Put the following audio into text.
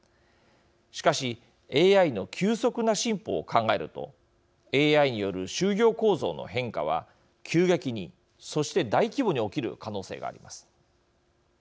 しかし、ＡＩの急速な進歩を考えるとＡＩによる就業構造の変化は急激に、そして大規模に起きる可能性があります。